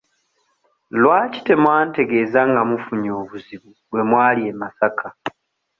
Lwaki temwantegeeza nga mufunye obuzibu lwe mwali e Masaka?